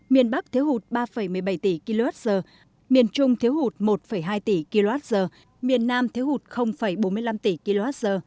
miền bắc thiếu hụt ba một mươi bảy tỷ kwh miền trung thiếu hụt một hai tỷ kwh miền nam thiếu hụt bốn mươi năm tỷ kwh